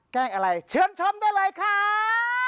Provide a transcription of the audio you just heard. แกล้งอะไรเชิญชมได้เลยครับ